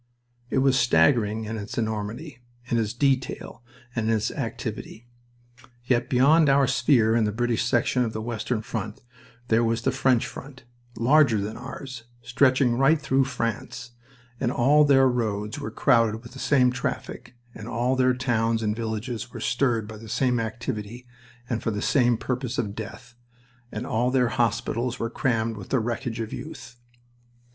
It was staggering in its enormity, in its detail, and in its activity. Yet beyond our sphere in the British section of the western front there was the French front, larger than ours, stretching right through France, and all their roads were crowded with the same traffic, and all their towns and villages were stirred by the same activity and for the same purpose of death, and all their hospitals were crammed with the wreckage of youth.